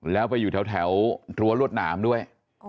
แล้วไปอยู่แถวรั้วรวดหนามด้วย